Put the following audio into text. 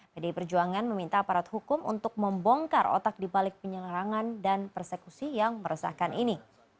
pdi perjuangan meminta aparat hukum untuk membongkar otak dibalik penyelarangan dan persekusi yang meresahkan ini